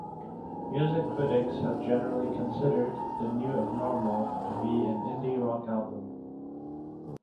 Music critics have generally considered "The New Abnormal" to be an indie rock album.